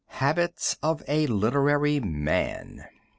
Habits of a Literary Man.